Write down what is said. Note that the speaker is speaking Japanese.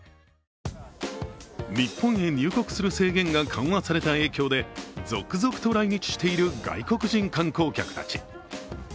日本へ入国する制限が緩和された影響で続々と来日している外国人観光客たち。